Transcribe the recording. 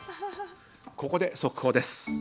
ここで速報です。